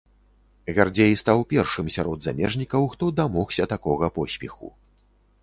Гардзей стаў першым сярод замежнікаў, хто дамогся такога поспеху.